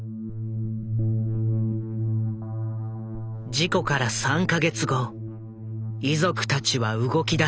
事故から３か月後遺族たちは動きだした。